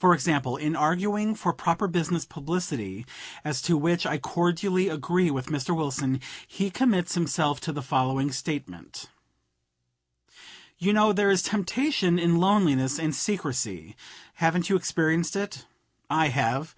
For example, in arguing for proper business publicity, as to which I cordially agree with Mr. Wilson, he commits himself to the following statement: "You know there is temptation in loneliness and secrecy. Haven't you experienced it? I have.